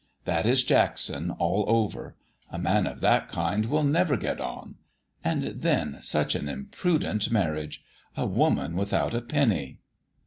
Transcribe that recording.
That is Jackson all over! A man of that kind will never get on. And then, such an imprudent marriage a woman without a penny!"